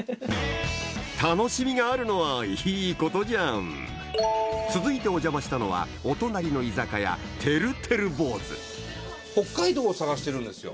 楽しみがあるのはいいことじゃん続いてお邪魔したのはお隣の居酒屋北海道を探してるんですよ。